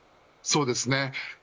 そうですね。